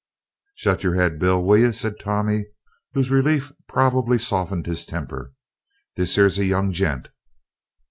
"Shet yer 'ed, Bill, will yer?" said Tommy, whose relief probably softened his temper, "this here's a young gent."